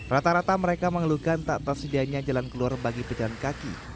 rata rata mereka mengeluhkan tak tersedianya jalan keluar bagi pejalan kaki